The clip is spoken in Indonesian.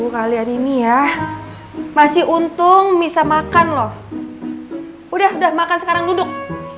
kalian ini ya masih untung bisa makan loh udah udah makan sekarang duduk